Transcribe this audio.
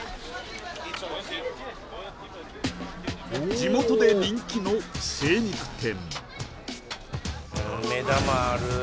地元で人気の精肉店